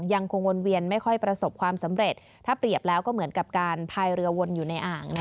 ยังคงวนเวียนไม่ค่อยประสบความสำเร็จถ้าเปรียบแล้วก็เหมือนกับการพายเรือวนอยู่ในอ่าง